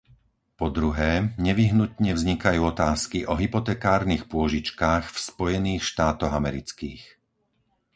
Po druhé, nevyhnutne vznikajú otázky o hypotekárnych pôžičkách v Spojených štátoch amerických.